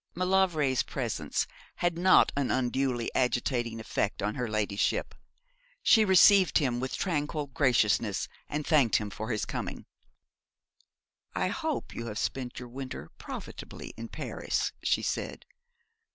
Maulevrier's presence had not an unduly agitating effect on her ladyship. She received him with tranquil graciousness, and thanked him for his coming. 'I hope you have spent your winter profitably in Paris,' she said.